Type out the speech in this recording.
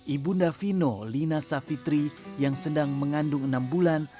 ibunda fino lina safitri yang sedang mengandung enam bulan